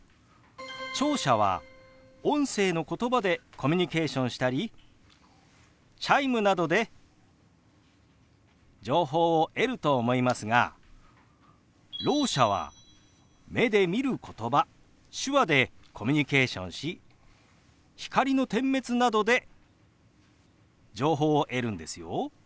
聴者は音声のことばでコミュニケーションしたりチャイムなどで情報を得ると思いますがろう者は目で見ることば手話でコミュニケーションし光の点滅などで情報を得るんですよ。